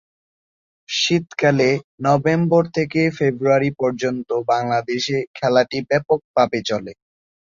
শীতকালে নভেম্বর থেকে ফেব্রুয়ারি পর্যন্ত বাংলাদেশে খেলাটি ব্যাপকভাবে চলে।